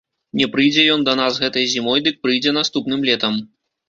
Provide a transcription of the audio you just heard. Не прыйдзе ён да нас гэтай зімой, дык прыйдзе наступным летам.